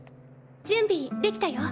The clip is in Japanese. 準備できたよ。